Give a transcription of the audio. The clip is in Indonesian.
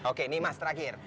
oke ini mas terakhir